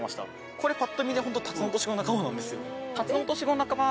これぱっと見でホントタツノオトシゴの仲間なんですよ。